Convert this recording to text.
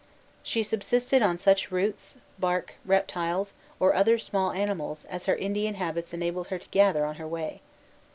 She subsisted on such roots, bark, reptiles, or other small animals, as her Indian habits enabled her to gather on her way.